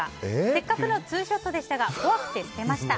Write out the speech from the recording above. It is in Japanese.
せっかくのツーショットでしたが怖くて捨てました。